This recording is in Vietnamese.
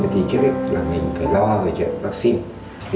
thì trước hết là mình phải lo về chuyện vaccine